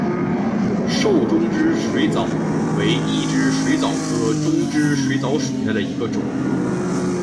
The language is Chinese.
瘦中肢水蚤为异肢水蚤科中肢水蚤属下的一个种。